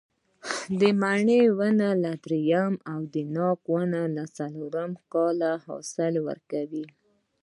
د مڼې ونې له درېیم او د ناک ونې له څلورم کال حاصل ورکوي.